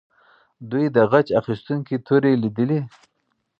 دوی د غچ اخیستونکې تورې لیدلې.